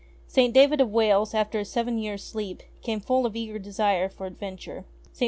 St. David of Wales, after his seven years' sleep, came full of eager desire for adventure. St.